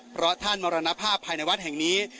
เพราะท่านมรณภาพภายในวัดแห่งนี้